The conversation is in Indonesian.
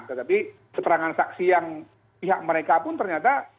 tetapi keterangan saksi yang pihak mereka pun ternyata